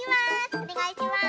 おねがいします。